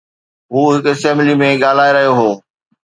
هو قومي اسيمبلي ۾ ڳالهائي رهيو هو.